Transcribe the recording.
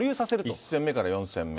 １戦目から４戦目。